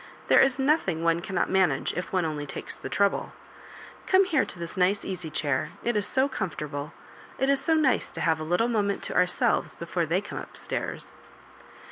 There is nothing one cannot manage if one only takes the trouble. Come here to this nice easy chair — ^it is so comfortable. It is so nice to have a little moment to ourselves before they come, up stairs."